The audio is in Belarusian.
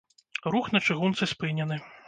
Рух на чыгунцы спынены.